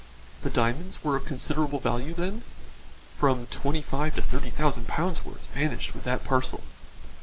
"The diamonds were of considerable value, then?" "From twenty five to thirty thousand pounds' worth vanished with that parcel."